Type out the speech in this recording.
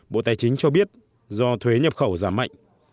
bộ tài chính cho biết do thuế nhập khẩu giảm mạnh